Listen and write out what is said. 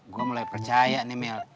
gua mulai percaya nih mil